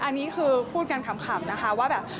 อันนี้คือพูดกันขำนะคะว่าแบบ